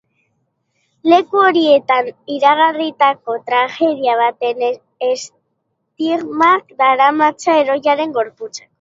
Leku horietan iragarritako tragedia baten estigmak daramatza heroiaren gorputzak.